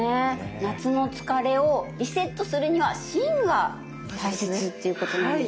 夏の疲れをリセットするには「心」が大切っていうことなんでしょうか。